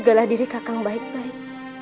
jagalah diri kakak baik baik